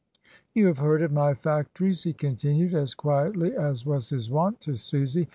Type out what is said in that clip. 233 "You have heard of my factories," he continued as quietly as was his wont to Susy.